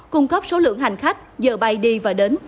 cung cấp số lượng hành khách giờ bay đi và đến